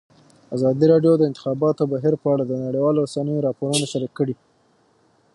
ازادي راډیو د د انتخاباتو بهیر په اړه د نړیوالو رسنیو راپورونه شریک کړي.